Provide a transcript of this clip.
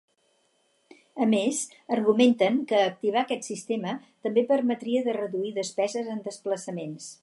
A més, argumenten que activar aquest sistema també permetria de reduir despeses en desplaçaments.